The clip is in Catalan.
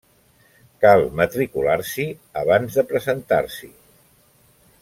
Cal matricular-s'hi abans de presentar-s'hi.